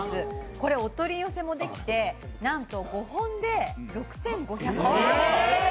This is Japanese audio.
これお取り寄せもできてなんと５本で６０５０円。